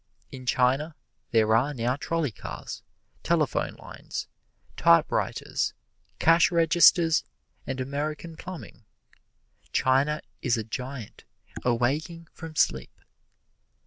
In China there are now trolley cars, telephone lines, typewriters, cash registers and American plumbing. China is a giant awaking from sleep.